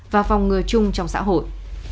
và phòng ngừa chung trong xã hội